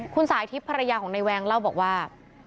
คุณสายทิพย์ภรรยาของนายแวงเล่าบอกว่า